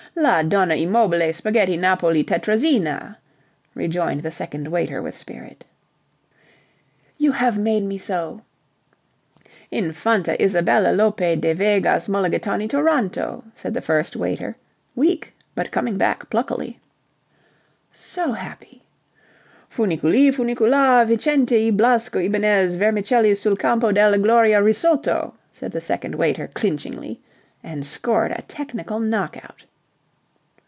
"La Donna e mobile spaghetti napoli Tettrazina," rejoined the second waiter with spirit. "... you have made me so..." "Infanta Isabella lope de Vegas mulligatawny Toronto," said the first waiter, weak but coming back pluckily. "... so happy..." "Funiculi funicula Vincente y Blasco Ibanez vermicelli sul campo della gloria risotto!" said the second waiter clinchingly, and scored a technical knockout.